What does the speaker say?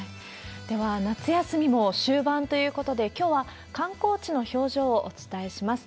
では、夏休みも終盤ということで、きょうは観光地の表情をお伝えします。